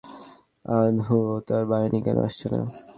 তাহলে হযরত খালিদ রাযিয়াল্লাহু আনহু ও তাঁর বাহিনী কেন আসছে না?